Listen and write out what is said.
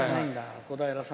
小平さん